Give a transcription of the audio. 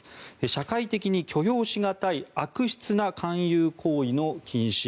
社会的に許容し難い悪質な勧誘行為の禁止。